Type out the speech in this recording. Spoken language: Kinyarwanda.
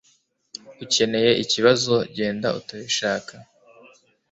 ukeneye ikibazo ,genda utabishaka